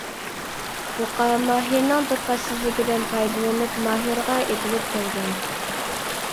بۇقا ماھىرنىڭ دىققەتسىزلىكىدىن پايدىلىنىپ ماھىرغا ئېتىلىپ كەلگەن.